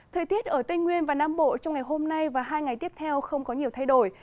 thời tiết ở tây nguyên và nam bộ trong ngày hôm nay và hai ngày tiếp theo không có nhiều thay đổi